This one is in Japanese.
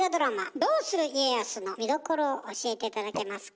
「どうする家康」の見どころを教えて頂けますか？